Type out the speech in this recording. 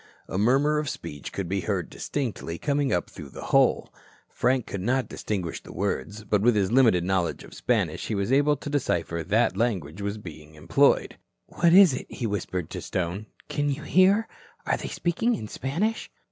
A murmur of speech could be heard distinctly, coming up through the hole. Frank could not distinguish the words, but with his limited knowledge of Spanish he was able to decipher that language was being employed. "What is it?" he whispered to Stone. "Can you hear? Are they speaking in Spanish?"